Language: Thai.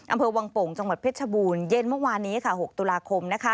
อำเภอวังโป่งจังหวัดเพชรบูรณ์เย็นเมื่อวานนี้ค่ะ๖ตุลาคม